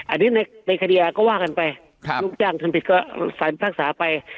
อันนี้ในคดีอายาก็ว่ากันไปลูกจ้างทำผิดก็สั่นภาคสาไป